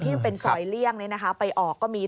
มันเป็นซอยเลี่ยงไปออกก็มี